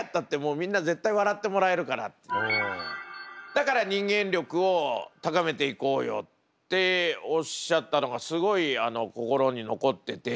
「だから人間力を高めていこうよ」っておっしゃったのがすごい心に残ってて。